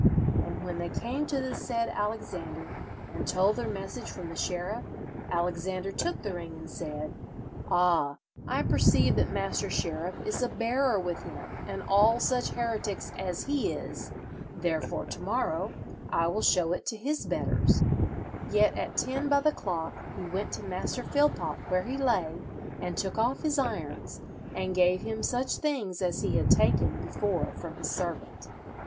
And when they came to the said Alexander and told their message from the sheriff, Alexander took the ring, and said, 'Ah, I perceive that Master Sheriff is a bearer with him and all such heretics as he is, therefore to morrow I will show it to his betters;' yet at ten by the clock he went to Master Philpot where he lay and took off his irons, and gave him such things as he had taken before from his servant."